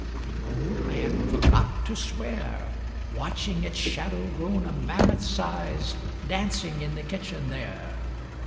The old man forgot to swear, Watching its shadow grown a mammoth size, Dancing in the kitchen there.